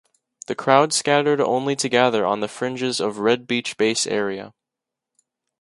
The crowd scattered only to gather on the fringes of Red Beach Base Area.